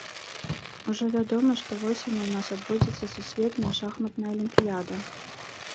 Ужо вядома, што восенню ў нас адбудзецца сусветная шахматная алімпіяда.